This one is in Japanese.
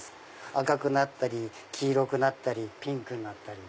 赤くなったり黄色くなったりピンクになったり。